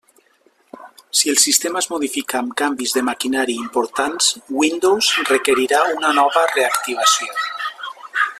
Si el sistema es modifica amb canvis de maquinari importants, Windows requerirà una nova reactivació.